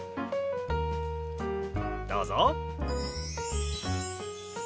どうぞ。